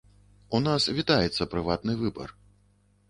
У нас вітаецца прыватны выбар.